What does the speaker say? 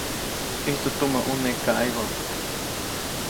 ʼIjtu tumä ʼuneʼ kaʼebä.